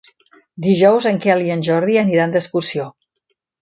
Dijous en Quel i en Jordi aniran d'excursió.